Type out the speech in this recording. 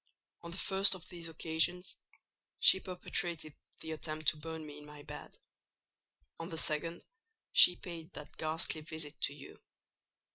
On the first of these occasions, she perpetrated the attempt to burn me in my bed; on the second, she paid that ghastly visit to you.